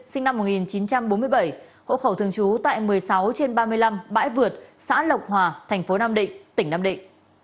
sinh năm một nghìn chín trăm bốn mươi bảy hộ khẩu thường trú tại một mươi sáu trên ba mươi năm bãi vượt xã lộc hòa thành phố nam định tỉnh nam định